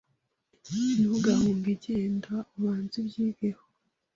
Ntugahunge, genda ubanze ubyigeho